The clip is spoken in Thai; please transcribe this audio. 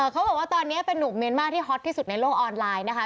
เขาบอกว่าตอนนี้เป็นนุ่มเมียนมาร์ที่ฮอตที่สุดในโลกออนไลน์นะคะ